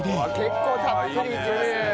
結構たっぷりいきますね。